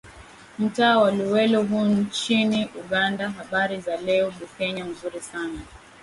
mtaa wa luwelo huu nchini uganda habari za leo bukenya mzuri sana